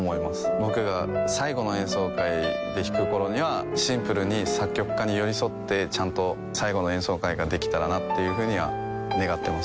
僕が最後の演奏会で弾くころにはシンプルに作曲家に寄り添ってちゃんと最後の演奏会ができたらなというふうには願っています